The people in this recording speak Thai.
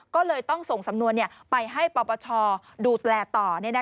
ก็เลยต้องส่งสำนวนไปให้ปปชดูแลต่อ